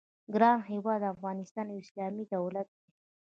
ګران هېواد افغانستان یو اسلامي دولت دی.